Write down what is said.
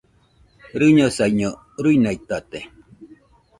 Rɨñosaiño, ruinaitate.